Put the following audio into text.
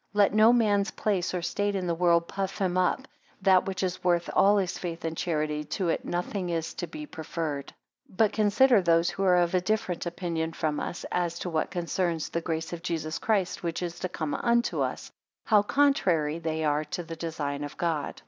Let no man's place or state in the world puff him up: that which is worth all his faith and charity, to it nothing is to be preferred. 14 But consider those who are of a different opinion from us, as to what concerns the grace of Jesus Christ which is come unto us, how contrary they are to the design of God.